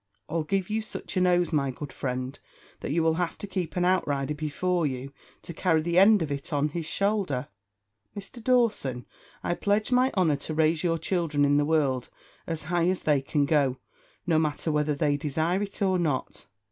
I'll give you such a nose, my good friend, that you will have to keep an outrider before you, to carry the end of it on his shoulder." "Mr. Dawson, I pledge my honour to raise your children in the world as high as they can go; no matter whether they desire it or not."